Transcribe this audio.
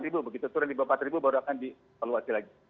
begitu turun di bawah empat baru akan disaluasi lagi